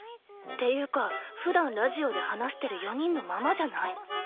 っていうかふだんラジオで話してる４人のままじゃない？